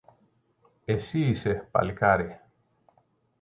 Εσύ είσαι, παλικάρι